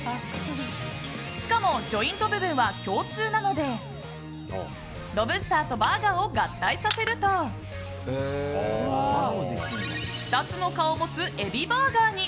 しかも、ジョイント部分は共通なのでロブスターとバーガーを合体させると２つの顔を持つエビバーガーに。